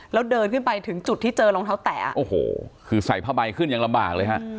แล้วเดินขึ้นไปถึงจุดที่เจอรองเท้าแตะโอ้โหคือใส่ผ้าใบขึ้นยังลำบากเลยฮะ